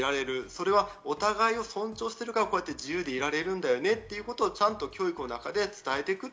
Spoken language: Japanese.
それはお互いを尊重してるから自由でいられるんだよねっていうことをちゃんと教育の中で伝えていく。